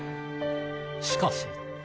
しかし。